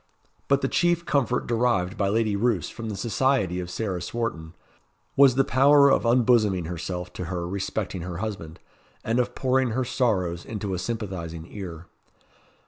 But the chief comfort derived by Lady Roos from the society of Sarah Swarton, was the power of unbosoming herself to her respecting her husband, and of pouring her sorrows into a sympathising ear.